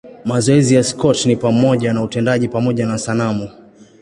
Mazoezi ya Scott ni pamoja na utendaji pamoja na sanamu.